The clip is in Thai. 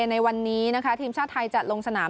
ในวันนี้นะคะทีมชาติไทยจะลงสนาม